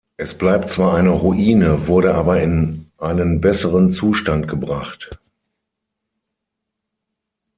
Es bleibt zwar eine Ruine, wurde aber in einen besseren Zustand gebracht.